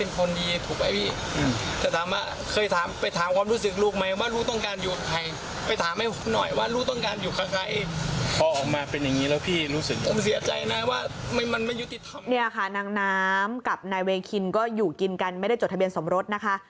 นี่ค่ะนางน้ำกับนายเวคินก็อยู่กินกันไม่ได้จดทะเบียนสมรสนะคะ